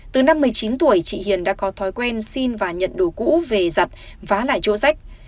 từ năm một mươi chín tuổi chị hiền đã có thói quen xin và nhận đồ cũ về giặt vá lại chỗ rách